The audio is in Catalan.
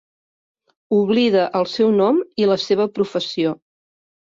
Oblida el seu nom i la seva professió.